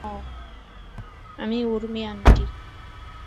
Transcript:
আমি উর্মি আন্টি।